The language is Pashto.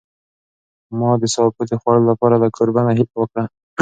ما د سابو د خوړلو لپاره له کوربه نه هیله وکړه.